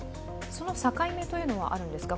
その境目というのはあるんですか。